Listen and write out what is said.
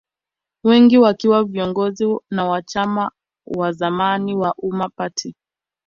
Wengi wakiwa viongozi na wanachama wa zamani wa Umma Party